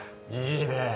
いいね！